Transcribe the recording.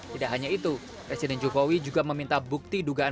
tidak hanya itu presiden jokowi juga meminta bukti dugaan